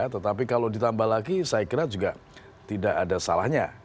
tetapi kalau ditambah lagi saya kira juga tidak ada salahnya